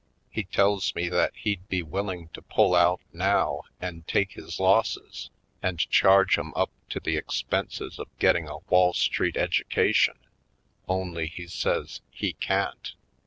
He tells me that he'd be willing to pull out now and take his losses and charge 'em up to the expenses of getting a Wail Street education only, he says, he can't.